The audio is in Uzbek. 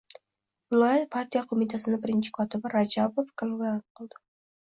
Viloyat partiya qo‘mitasini birinchi kotibi Rajabov kalovlanib qoldi.